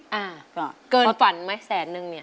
เกินเพราะฝันไหมแสนหนึ่งเนี่ย